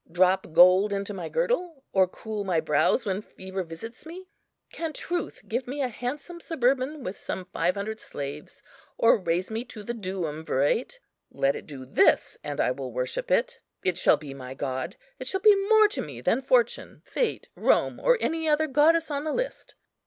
drop gold into my girdle? or cool my brows when fever visits me? Can truth give me a handsome suburban with some five hundred slaves, or raise me to the duumvirate? Let it do this, and I will worship it; it shall be my god; it shall be more to me than Fortune, Fate, Rome, or any other goddess on the list.